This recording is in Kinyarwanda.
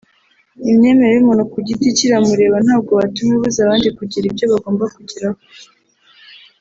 Imyemerere y’umuntu ku giti cye iramureba ntabwo watuma ibuza abandi kugira ibyo bagomba kugeraho